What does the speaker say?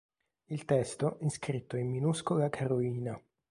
Il testo è scritto in minuscola carolina.